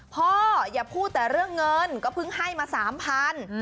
พ่ออย่าพูดแต่เรื่องเงินก็เพิ่งให้มา๓๐๐บาท